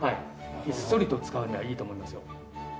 ひっそりと使うにはいいと思いますよ。